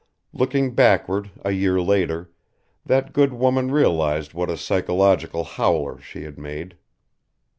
Looking backward, a year later, that good woman realised what a psychological howler she had made.